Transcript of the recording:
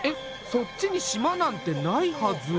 そっちに島なんてないはず。